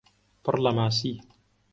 پڕ لە ماسی